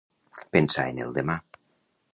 Pensar en el demà.